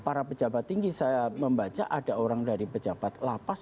para pejabat tinggi saya membaca ada orang dari pejabat lapas